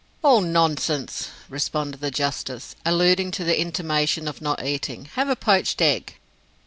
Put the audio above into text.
"All nonsense," responded the justice, alluding to the intimation of not eating. "Have a poached egg."